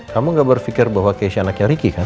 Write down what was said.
kamu nggak berpikir bahwa keisha anaknya ricky kan